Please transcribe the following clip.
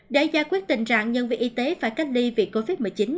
để giải quyết tình trạng nhân viên y tế phải cách ly vì covid một mươi chín